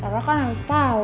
ra kan harus tau